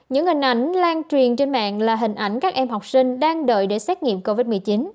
những hình ảnh lan truyền trên mạng là hình ảnh các em học sinh đang đợi để xét nghiệm covid một mươi chín